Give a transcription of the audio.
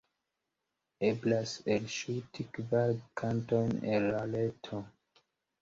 Eblas elŝuti kvar kantojn el la reto.